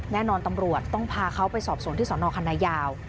แน่นอนตำรวจต้องพาเขาไปสอบสวนที่สนคณะยาว